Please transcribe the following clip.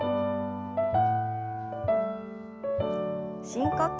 深呼吸。